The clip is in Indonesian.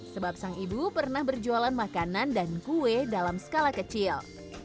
sebab sang ibu pernah berjualan makanan dan kue dalam skala kecil